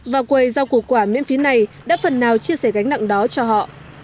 và quầy rau củ quả miễn phí này đã phần nào chia sẻ gánh nặng đó cho họ